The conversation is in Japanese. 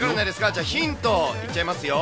じゃあ、ヒント言っちゃいますよ。